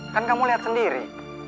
kan kamu liat sendiri